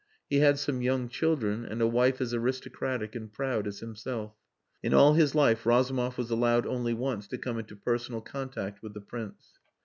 He had some young children and a wife as aristocratic and proud as himself. In all his life Razumov was allowed only once to come into personal contact with the Prince.